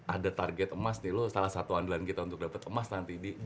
ada target emas nih lu salah satu andalan kita untuk dapat emas nanti